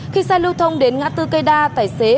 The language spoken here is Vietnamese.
khi xe lưu thông đến ngã tư cây đa tài xế